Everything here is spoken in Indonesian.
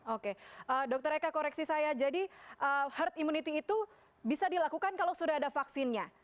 oke dr eka koreksi saya jadi herd immunity itu bisa dilakukan kalau sudah ada vaksinnya